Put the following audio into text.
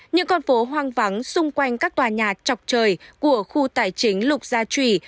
những con phố hoang vắng xung quanh các tòa nhà chọc trời của khu tài chính lục gia chủ